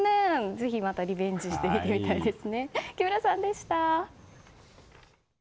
ぜひまたリベンジしてみたいです。